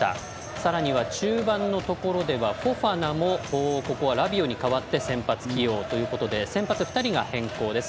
さらには中盤ではフォファナもラビオに代わって先発起用ということで先発２人が変更です。